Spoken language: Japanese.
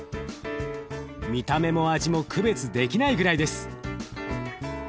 見た目も味も区別できないぐらいです。